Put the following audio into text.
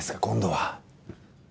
今度は。